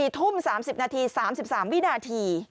๔ทุ่ม๓๐นาที๓๓วินาที